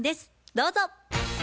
どうぞ。